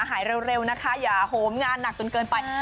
หายเร็วนะคะอย่าโหมงานหนักจนเกินไป